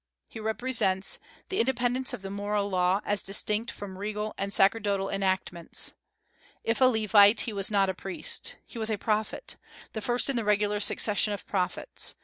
"He represents the independence of the moral law, as distinct from regal and sacerdotal enactments. If a Levite, he was not a priest. He was a prophet, the first in the regular succession of prophets.